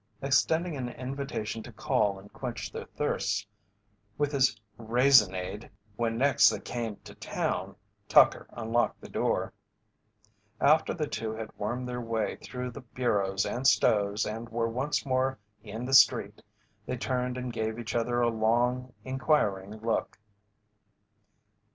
Extending an invitation to call and quench their thirsts with his raisinade when next they came to town, Tucker unlocked the door. After the two had wormed their way through the bureaus and stoves and were once more in the street, they turned and gave each other a long, inquiring look.